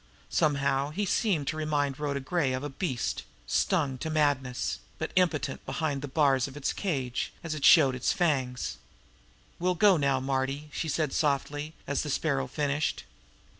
Somehow he seemed to remind Rhoda Gray of a beast, stung to madness, but impotent behind the bars of its cage, as it showed its fangs. "We'll go now, Marty," she said softly, as the Sparrow finished.